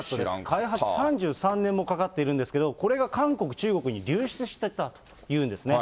開発３３年もかかってるんですけど、これが韓国、中国に流出してたというんですね。